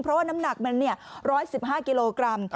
เพราะว่าน้ำหนักมัน๑๑๕กิโลกรัม